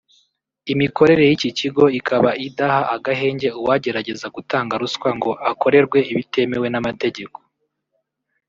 imikorere y’iki kigo ikaba idaha agahenge uwagerageza gutanga ruswa ngo akorerwe ibitemewe n’amategeko